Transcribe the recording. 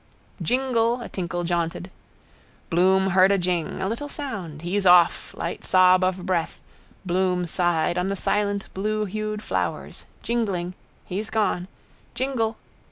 Jingle a tinkle jaunted. Bloom heard a jing, a little sound. He's off. Light sob of breath Bloom sighed on the silent bluehued flowers. Jingling. He's gone. Jingle.